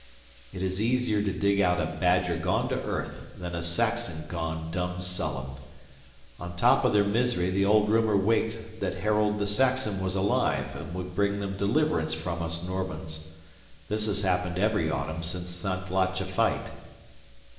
It is easier to dig out a badger gone to earth than a Saxon gone dumb sullen. And atop of their misery the old rumour waked that Harold the Saxon was alive and would bring them deliverance from us Normans. This has happened every autumn since Santlache fight.